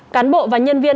cán bộ và nhân viên